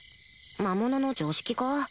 魔物の常識か？